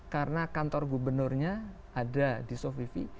karena kantor gubernurnya ada di sovivi